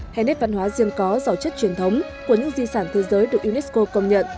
hay nét văn hóa riêng có dầu chất truyền thống của những di sản thế giới được unesco công nhận